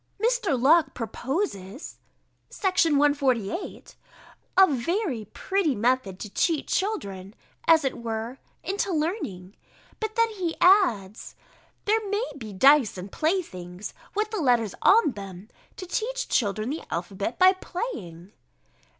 Mr. Locke proposes (Section 148) a very pretty method to cheat children, as it were, into learning: but then he adds, "There may be dice and playthings, with the letters on them, to teach children the alphabet by playing."